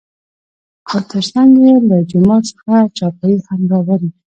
او تر څنګ يې له جومات څخه چارپايي هم راوړى .